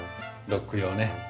ロック用ね。